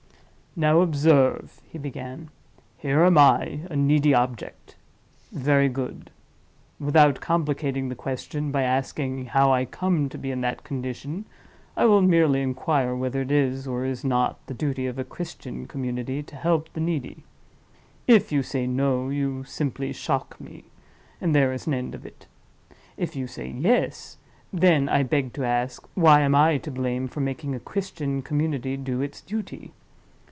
"Now observe," he began. "Here am I, a needy object. Very good. Without complicating the question by asking how I come to be in that condition, I will merely inquire whether it is, or is not, the duty of a Christian community to help the needy. If you say No, you simply shock me; and there is an end of it; if you say Yes, then I beg to ask, Why am I to blame for making a Christian community do its duty?